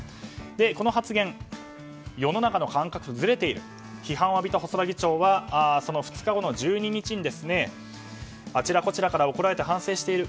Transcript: この発言、世の中の感覚とずれていると批判を浴びた細田議長はその２日後の１２日にあちらこちらから怒られて反省している。